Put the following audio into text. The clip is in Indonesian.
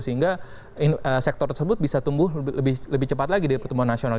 sehingga sektor tersebut bisa tumbuh lebih cepat lagi dari pertumbuhan nasional